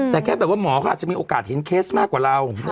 แต่แค่แบบว่าหมอก็อาจจะมีโอกาสเห็นเคสมากกว่าเรา